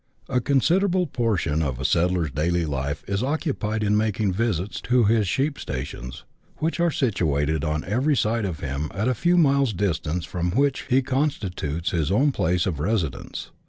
A CONSIDERABLE portion of a settler's daily life is occupied in making visits to his sheep stations, which are situated on every side of him, at a few miles' distance from that which he consti tutes his own place of residence.